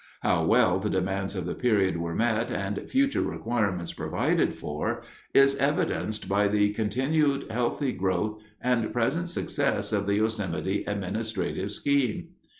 How well the demands of the period were met and future requirements provided for is evidenced by the continued healthy growth and present success of the Yosemite administrative scheme.